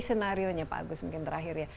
scenarionya pak agus mungkin terakhir ya